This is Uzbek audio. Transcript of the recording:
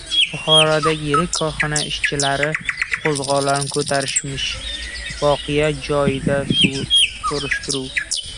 Buxorodagi yirik korxona ishchilari «qo‘zg‘olon» ko‘targanmish… Voqea joyidan surishtiruv